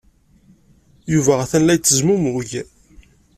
Yuba atan la yettezmumug.